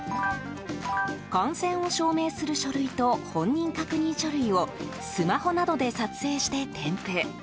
感染を証明する書類と本人確認書類をスマホなどで撮影して添付。